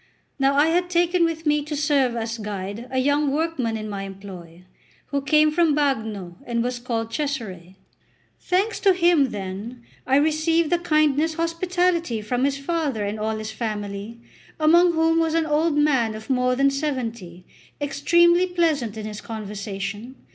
Now I had taken with me to serve as guide a young workman in my employ, who came from Bagno, and was called Cesare. Thanks to him, then, I received the kindest hospitality from his father and all his family, among whom was an old man of more than seventy, extremely pleasant in his conversation.